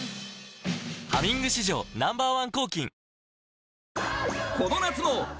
「ハミング」史上Ｎｏ．１